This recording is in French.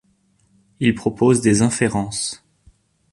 Ils proposent des inférences.